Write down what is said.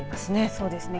そうですね。